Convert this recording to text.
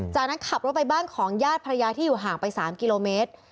จากนั้นขับรถไปบ้านของญาติภรรยาที่อยู่ห่างไป๓กิโลเมตร